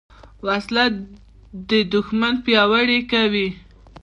وسله د دوښمن پیاوړي کوي